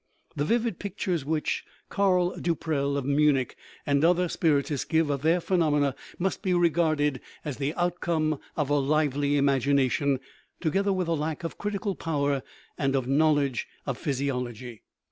The vivid pictures which Carl du Prel, of Munich, and other spir itists give of their phenomena must be regarded as the outcome of a lively imagination, together with a lack of critical power and of knowledge of physiology.